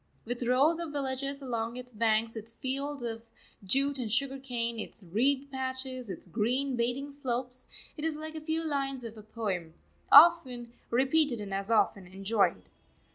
With rows of villages along its banks, its fields of jute and sugar cane, its reed patches, its green bathing slopes, it is like a few lines of a poem, often repeated and as often enjoyed.